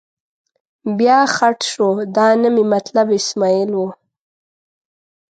بیا خټ شو، دا نه مې مطلب اسمعیل و.